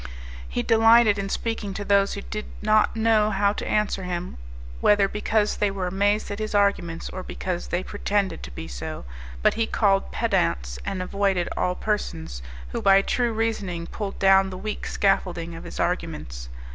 He delighted in speaking to those who did not know how to answer him, whether because they were amazed at his arguments, or because they pretended to be so; but he called pedants, and avoided all persons, who by true reasoning pulled down the weak scaffolding of his arguments.